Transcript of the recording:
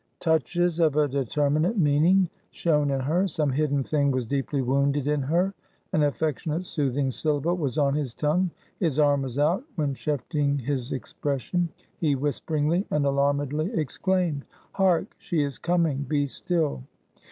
Touches of a determinate meaning shone in her; some hidden thing was deeply wounded in her. An affectionate soothing syllable was on his tongue; his arm was out; when shifting his expression, he whisperingly and alarmedly exclaimed "Hark! she is coming. Be still."